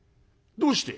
「どうして？」。